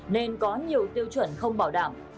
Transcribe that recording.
nên có nhiều tiêu chuẩn không bảo đảm